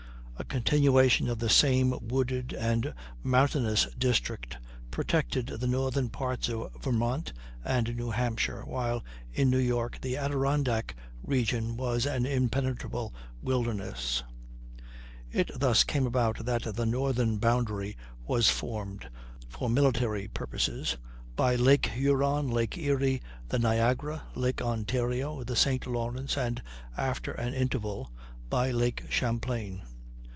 A continuation of the same wooded and mountainous district protected the northern parts of Vermont and New Hampshire, while in New York the Adirondack region was an impenetrable wilderness. It thus came about that the northern boundary was formed, for military purposes, by Lake Huron, Lake Erie, the Niagara, Lake Ontario, the St. Lawrence, and, after an interval, by Lake Champlain.